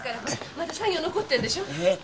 まだ作業残ってるんでしょ。